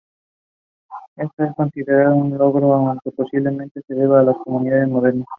Esto es considerado un gran logro aunque posiblemente se deba a las comunicaciones modernas.